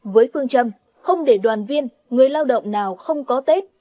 với phương châm không để đoàn viên người lao động nào không có tết